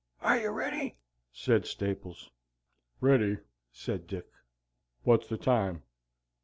"Are you ready?" said Staples. "Ready," said Dick; "what's the time?"